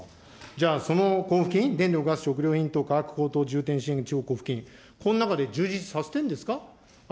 じゃあ、その交付金、電力・ガス・食料品価格高騰重点支援交付金、この中で充実させてるんですか。